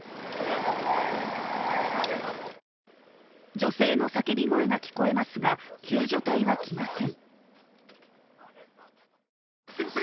女性の叫び声が聞こえますが救助隊は来ません。